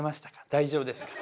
大丈夫ですか？